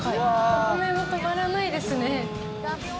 お米も止まらないですね。